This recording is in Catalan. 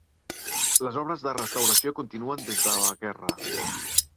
Les obres de restauració continuen des de la guerra.